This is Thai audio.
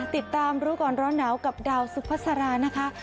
ติดตามรู้ก่อนร้อนหนาวกับดาวสุภาษารานะคะ